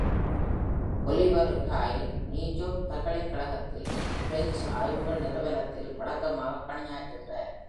Olivier Ihl New York பல்கலைக்கழகத்தில் French ஆய்வுகள் நிறுவனத்தில் வழக்கமாகப் பணியாற்றுகிறார்.